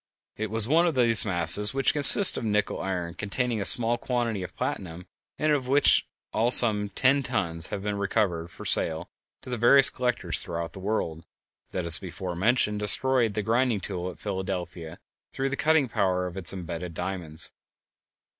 It was one of these masses, which consist of nickel iron containing a small quantity of platinum, and of which in all some ten tons have been recovered for sale to the various collectors throughout the world, that as before mentioned destroyed the grinding tool at Philadelphia through the cutting power of its embedded diamonds.